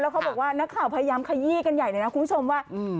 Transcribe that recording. เขาบอกว่านักข่าวพยายามขยี้กันใหญ่เลยนะคุณผู้ชมว่า